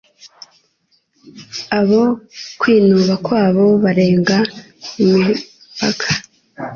abo kwinuba kwabo kurenga imipaka